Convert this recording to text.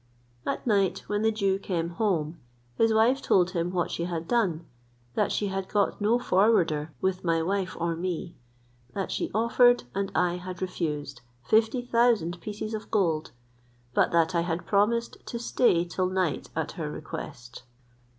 At night when the Jew came home, his wife told him what she had done; that she had got no forwarder with my wife or me; that she offered, and I had refused, fifty thousand pieces of gold; but that I had promised to stay till night at her request.